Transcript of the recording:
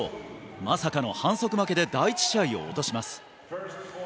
まさかの反則負けで第１試合を落とします。